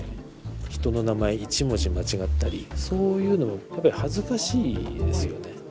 人の名前一文字間違ったりそういうのが恥ずかしいですよね。